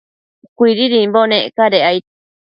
Cuididimbo nec cadec aid